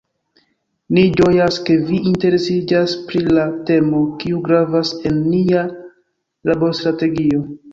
Ni ĝojas, ke vi interesiĝas pri la temo, kiu gravas en nia laborstrategio.